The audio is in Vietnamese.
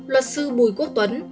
luật sư bùi quốc tuấn